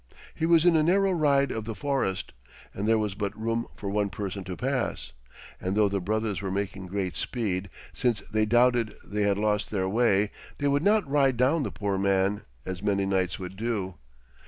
It was in a narrow ride of the forest, and there was but room for one person to pass, and though the brothers were making great speed, since they doubted they had lost their way, they would not ride down the poor man, as many knights would do.